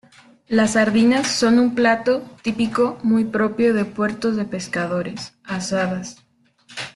Las sardinas son un plato típico muy propio de puertos de pescadores, asadas.